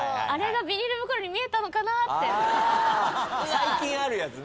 最近あるやつね。